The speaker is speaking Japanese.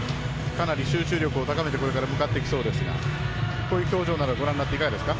かなり集中力を高めてこれから向かっていくそうですがこういう表情をご覧になっていかがですか？